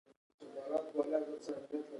د معلومو او نامعلومو مسایلو تفکیک.